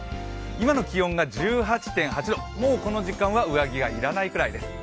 今の気温が１８．８度もうこの時間は上着が要らないぐらいです。